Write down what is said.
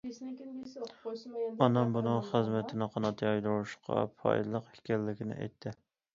ئانام بۇنىڭ خىزمىتىنى قانات يايدۇرۇشقا پايدىلىق ئىكەنلىكىنى ئېيتتى.